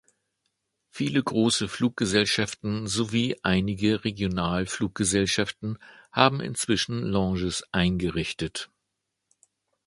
Viele große Fluggesellschaften sowie einige Regionalfluggesellschaften haben inzwischen Lounges eingerichtet.